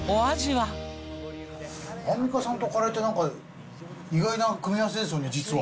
アンミカさんとカレーって、なんか意外な組み合わせですよね、実は。